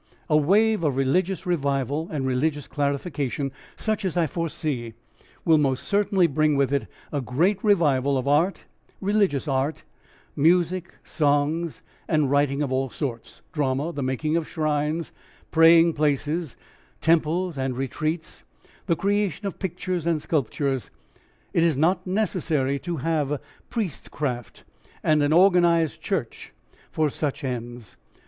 A wave of religious revival and religious clarification, such as I foresee, will most certainly bring with it a great revival of art, religious art, music, songs, and writings of all sorts, drama, the making of shrines, praying places, temples and retreats, the creation of pictures and sculptures. It is not necessary to have priestcraft and an organised church for such ends.